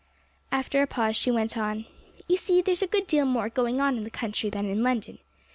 After a pause she went on, 'You see, there's a good deal more going on in the country than in London.